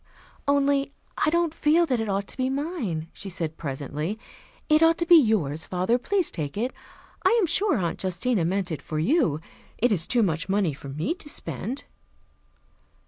"Only I don't feel that it ought to be mine," she said presently. "It ought to be yours, father. Please take it. I am sure Aunt Justina meant it for you. It is too much money for me to spend."